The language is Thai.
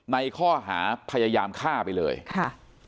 ในข้อหาพยายามฆ่าไปเลยค่ะ